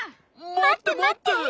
まってまって！